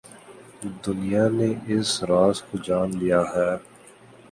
دنیا نے اس راز کو جان لیا ہے۔